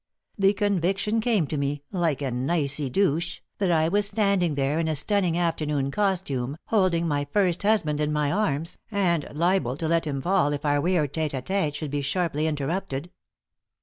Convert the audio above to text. The conviction came to me, like an icy douche, that I was standing there in a stunning afternoon costume, holding my first husband in my arms, and liable to let him fall if our weird tête à tête should be sharply interrupted.